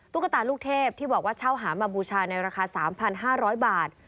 ตุ๊กตาลูกเทพที่บอกว่าเช่าหามาบูชาในราคา๓๕๐๐บาท